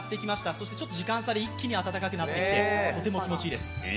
そして時間差で一気に温かくなってきてとても気持ちいいです。